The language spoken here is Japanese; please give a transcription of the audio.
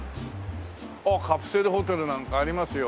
あっカプセルホテルなんかありますよ。